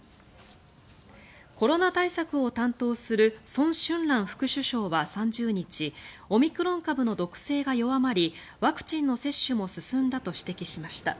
コロナ対策を担当するソン・シュンラン副首相は３０日オミクロン株の毒性が弱まりワクチンの接種も進んだと指摘しました。